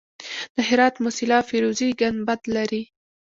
د هرات موسیلا فیروزي ګنبد لري